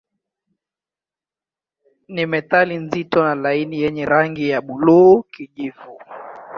Ni metali nzito na laini yenye rangi ya buluu-kijivu.